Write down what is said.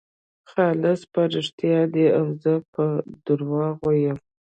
خالص په رښتیا دی او زه په درواغو یم.